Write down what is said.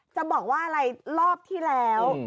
จะบอกว่าอะไรรอบที่แล้ว